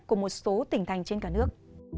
của một số tỉnh thành trên cả nước